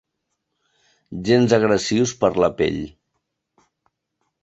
Gens agressius per a la pell.